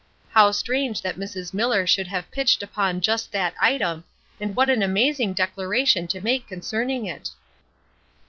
How strange that Mrs. Miller should have pitched upon just that item, and what an amazing declaration to make concerning it!